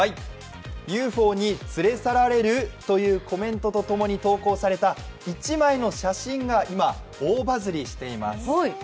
ＵＦＯに連れ去られる？というコメントともに投稿された一枚の写真が今、大バズりしています。